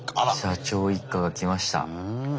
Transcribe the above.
社長一家が来ました。